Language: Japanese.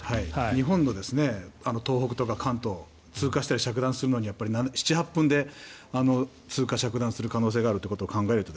日本の東北とか関東を通過とか着弾するのに７８分で通過・着弾する可能性があるということを考えると